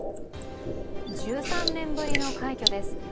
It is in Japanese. １３年ぶりの快挙です。